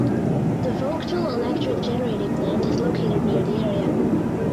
The Vogtle Electric Generating Plant is located near the area.